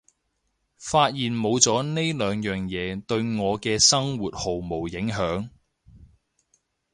發現冇咗呢兩樣嘢對我嘅生活毫無影響